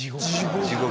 地獄。